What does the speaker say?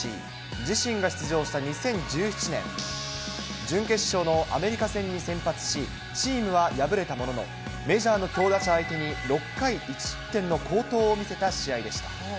自身が出場した２０１７年、準決勝のアメリカ戦に先発し、チームは敗れたものの、メジャーの強打者相手に６回１失点の好投を見せた試合でした。